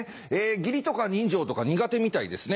義理とか人情とか苦手みたいですね。